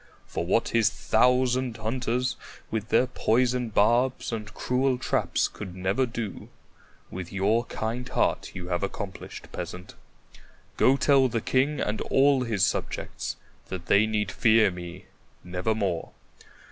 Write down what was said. For what his thousand hunters with their poisoned barbs and cruel traps could never do, with your kind heart you have accomplished, Peasant. Go tell the king and all his subjects that they need fear me nevermore.